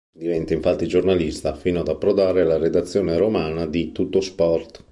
Diventa infatti giornalista, fino ad approdare alla redazione romana di "Tuttosport".